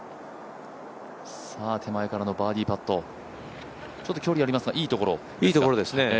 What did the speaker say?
手前からのバーディーパット、ちょっと距離はありますが、いいところ。